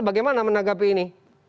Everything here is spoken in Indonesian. bagaimana menanggapi ini